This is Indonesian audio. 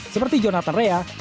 seperti jonathan rea